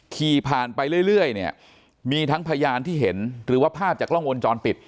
ขี่ผ่านไปเรื่อยเนี่ยมีทั้งพยานที่เห็นหรือว่าภาพจากกล้องวงจรปิด